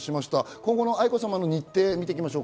今後の愛子さまの日程を見ていきましょう。